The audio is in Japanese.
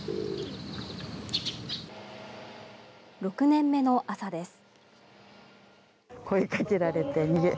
６年目の朝です。